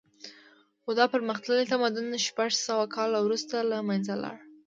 خو دا پرمختللی تمدن شپږ سوه کاله وروسته له منځه لاړ